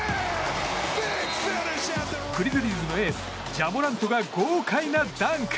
グリズリーズのエースジャ・モラントが豪快なダンク。